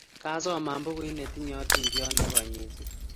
Kasoman pukuit netinye etindyot ne koy missing'